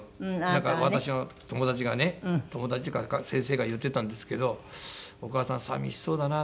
なんか私の友達がね友達というか先生が言ってたんですけど「お母さん寂しそうだな。